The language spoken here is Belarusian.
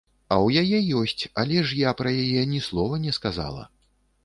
А ў яе есць, але ж я пра яе ні слова не сказала.